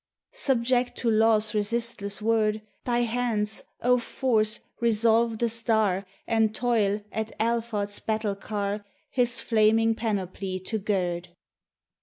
Subject to Law's resistless word, Thy hands, O Force! resolve the star, And toil, at Alphard's battle car, His flaming panoply to gird.